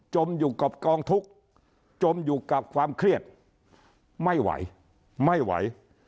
อยู่กับกองทุกข์จมอยู่กับความเครียดไม่ไหวไม่ไหว